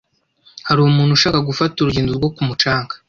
Hari umuntu ushaka gufata urugendo rwo ku mucanga?